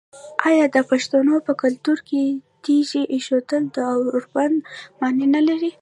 آیا د پښتنو په کلتور کې د تیږې ایښودل د اوربند معنی نلري؟